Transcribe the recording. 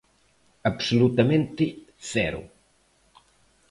Absolutamente cero.